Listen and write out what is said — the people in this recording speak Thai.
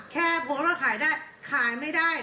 มาค่ะแค่พบมันะถ่ายได้ขายไม่ได้